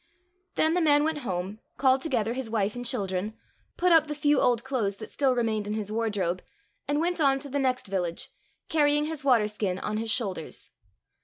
" Then the man went home, called together his wife and children, put up the few old clothes that still remained in his wardrobe, and went on to the next village, carrying his water skin on his shoulders.